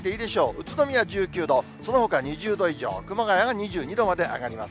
宇都宮１９度、そのほか２０度以上、熊谷が２２度まで上がります。